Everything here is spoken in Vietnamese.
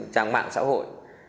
trang mạng xã hội